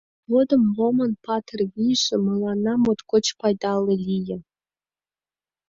Но тыгодым Ломын патыр вийже мыланна моткоч пайдале лие.